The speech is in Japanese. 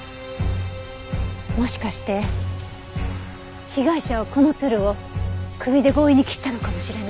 もしかして被害者はこのつるを首で強引に切ったのかもしれない。